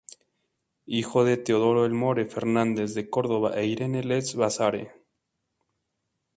Hijo de Teodoro Elmore Fernández de Córdoba e Irene Letts Basadre.